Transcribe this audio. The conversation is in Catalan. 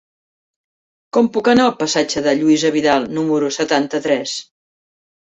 Com puc anar al passatge de Lluïsa Vidal número setanta-tres?